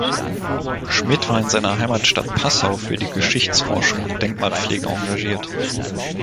Schmid war in seiner Heimatstadt Passau für die Geschichtsforschung und Denkmalpflege engagiert.